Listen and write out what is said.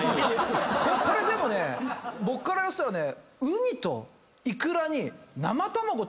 これでもね僕から言わせたらね。